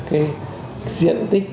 cái diện tích